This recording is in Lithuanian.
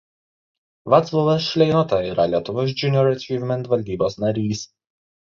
Vaclovas Šleinota yra "Lietuvos Junior Achievement" valdybos narys.